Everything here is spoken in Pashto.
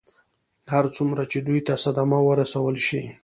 هر څومره چې دوی ته صدمه ورسول شي.